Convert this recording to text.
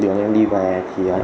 xong em đi xe khách